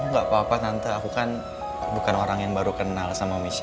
nggak apa apa tante aku kan bukan orang yang baru kenal sama michel